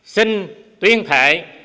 xin tuyên thệ